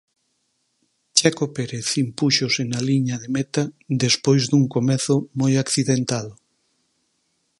Checo Pérez impúxose na liña de meta, despois dun comezo moi accidentado.